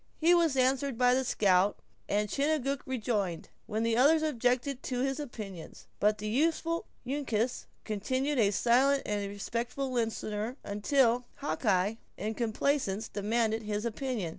He was answered by the scout; and Chingachgook rejoined, when the other objected to his opinions. But the youthful Uncas continued a silent and respectful listener, until Hawkeye, in complaisance, demanded his opinion.